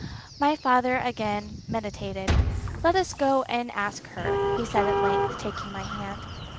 My father again meditated. "Let us go and ask her," he said at length, taking my hand.